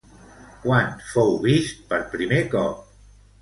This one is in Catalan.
Quan fou vist per primer cop?